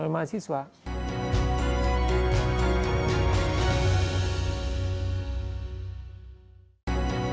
bagaimana cara kita menjaga kepentingan internet